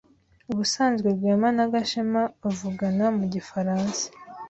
Ubusanzwe Rwema na Gashema bavugana mu gifaransa.